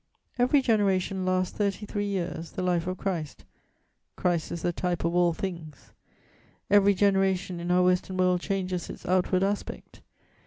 Every generation lasts thirty three years, the life of Christ (Christ is the type of all things); every generation in our western world changes its outward aspect.